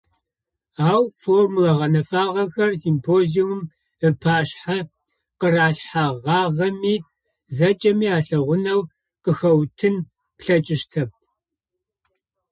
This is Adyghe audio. Ау, формула гъэнэфагъэхэр, симпозиумым ыпашъхьэ къыралъхьэгъагъэми, зэкӏэми алъэгъунэу къыхэуутын плъэкӏыщтэп.